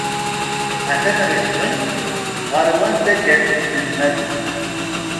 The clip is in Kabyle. A-t-an rekben ɣer wanda gganen yinelmaden.